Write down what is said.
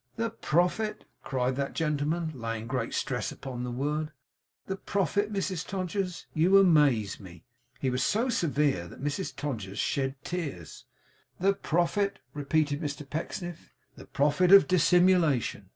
'The profit!' cried that gentleman, laying great stress upon the word. 'The profit, Mrs Todgers! You amaze me!' He was so severe, that Mrs Todgers shed tears. 'The profit!' repeated Mr pecksniff. 'The profit of dissimulation!